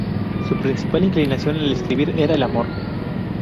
Su principal inclinación al escribir era el amor.